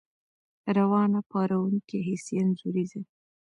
روانه، پارونکې، ، حسي، انځوريزه